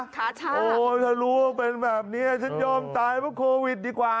โอ้ถ้ารู้ว่าเป็นแบบนี้ฉันยอมตายเพราะโควิดดีกว่า